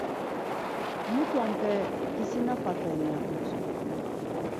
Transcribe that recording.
Mutonpe gisinapaten, ya utzu.